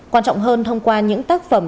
quan trọng hơn thông qua những tác phẩm